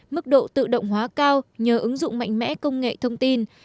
mức độ tự động hóa cao nhờ ứng dụng mạnh mẽ công nghệ thông tin